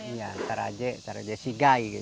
iya tarajen tarajen sigai gitu